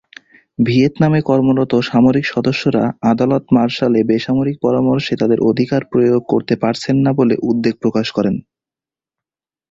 ভিয়েতনামে কর্মরত সামরিক সদস্যরা আদালত-মার্শালে বেসামরিক পরামর্শে তাদের অধিকার প্রয়োগ করতে পারছেন না বলে উদ্বেগ প্রকাশ করে।